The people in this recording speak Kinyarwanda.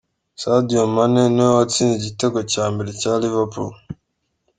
Sadio Mane niwe watsinze igitego cya mbere cya Liverpool.